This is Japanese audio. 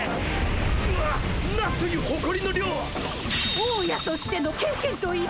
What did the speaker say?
大家としての経験と意地！